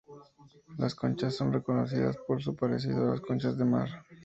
Las conchas son reconocidas por su parecido a las conchas de mar.